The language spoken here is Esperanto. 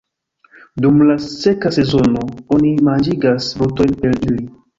Dum la seka sezono oni manĝigas brutojn per ili.